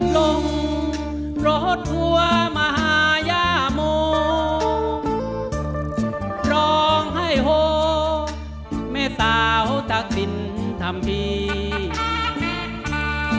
ลงรถหัวมหายามูร้องให้โฮแม่สาวทักษิณธรรมภีร์